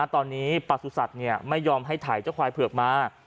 ตอนนี้ประสุทธิ์ไม่ยอมให้ถ่ายเจ้าควายเผือกมา